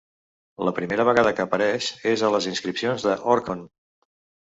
La primera vegada que apareix és a les inscripcions de l'Orkhon.